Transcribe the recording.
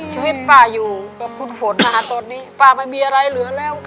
ชีวิตป่าอยู่กับขุนฝนมหาตัวนี้ป่ามันมีอะไรเหลือแล้วก็